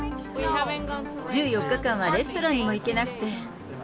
１４日間はレストランにも行けなくて。